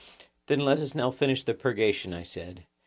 Then let us now finish the purgation, I said.